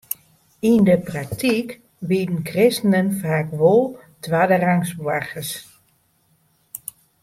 Yn de praktyk wienen kristenen faak wol twadderangs boargers.